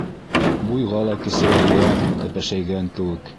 Буйға ла кесерәйгән, тәпәшәйгән кеүек.